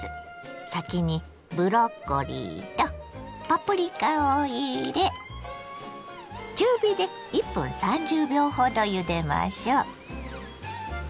先にブロッコリーとパプリカを入れ中火で１分３０秒ほどゆでましょ。